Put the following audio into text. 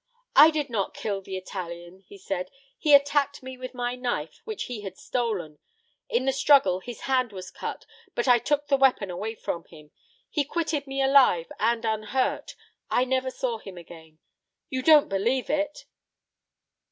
"I did not kill the Italian," he said. "He attacked me with my knife which he had stolen. In the struggle his hand was cut, but I took the weapon away from him. He quitted me alive and unhurt. I never saw him again. You don't believe it?